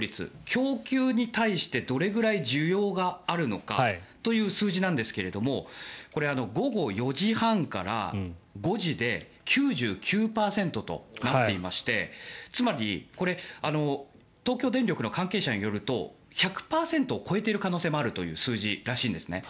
供給に対してどれぐらい需要があるのかという数字なんですが午後４時半から５時で９９％となっていましてつまり東京電力の関係者によると１００％を超えている可能性もあるという数字らしいんですね。